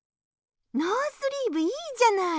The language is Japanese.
ノースリーブいいじゃない！